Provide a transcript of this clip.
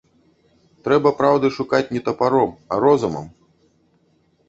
Трэба праўды шукаць не тапаром, а розумам.